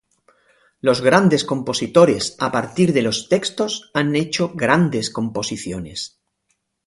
Los grandes compositores a partir de los textos han hecho grandes composiciones.